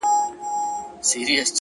• د دې وطن د هر يو گل سره کي بد کړې وي؛